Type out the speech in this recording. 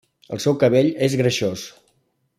El seu cabell és greixós.